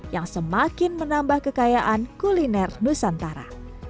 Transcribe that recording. yang semakin menambah kekayaan kuliner nusantara